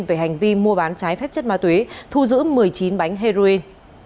về hành vi mua bán trái phép chất ma túy thu giữ một mươi chín bánh heroin